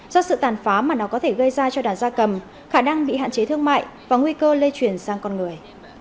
do sự tàn phá mà nó có thể gây ra cho đàn gia cầm khả năng bị hạn chế thương mại và nguy cơ lây chuyển sang con người